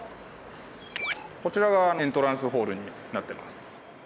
こちらがエントランスホールになってます。